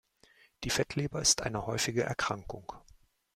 Die Fettleber ist eine häufige Erkrankung.